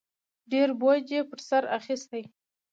ډېر بوج یې په سر اخیستی